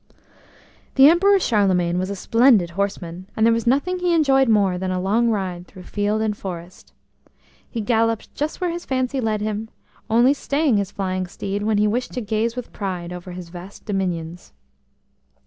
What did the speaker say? HE Emperor Charlemagne was a splendid horseman, and there was nothing he enjoyed more than a long ride through field and forest. He galloped just where his fancy led him, only staying his flying steed when he wished to gaze with pride over his vast dominions.